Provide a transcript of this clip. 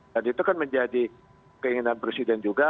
dan itu kan menjadi keinginan presiden juga